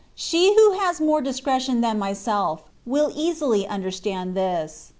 She who has more discretion than myself, will easily under stand this.